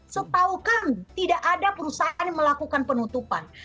setaukan tidak ada perusahaan melakukan penutupan